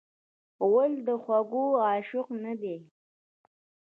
غول د خوږو عاشق نه دی.